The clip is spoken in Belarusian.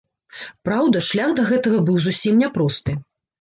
Праўда, шлях да гэтага быў зусім няпросты.